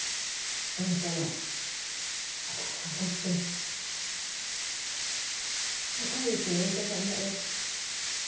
あんたは私らにとって世界一のお医者さんだよ。